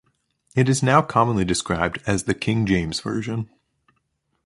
It is now commonly described as the King James Version.